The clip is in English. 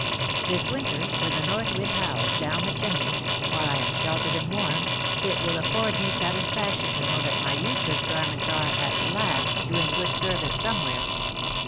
This winter, when the North wind howls down the chimney, while I am sheltered and warm, it will afford me satisfaction to know that my useless garments are, at last, doing good service somewhere.